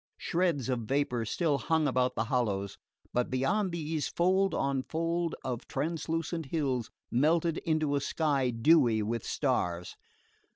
Shreds of vapour still hung about the hollows, but beyond these fold on fold of translucent hills melted into a sky dewy with stars.